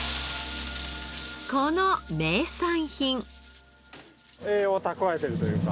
この名産品。